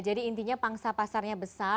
jadi intinya pangsa pasarnya besar